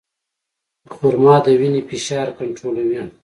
خرما د وینې فشار کنټرولوي.